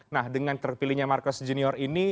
nah dengan terpilihnya marcos junior ini